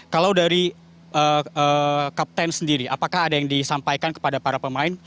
kalau dari kapten sendiri apakah ada yang disampaikan kepada para pemain